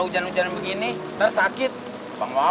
kejam lu dan sadis lu sama bini lu